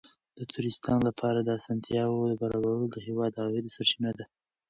د توریستانو لپاره د اسانتیاوو برابرول د هېواد د عوایدو سرچینه ده.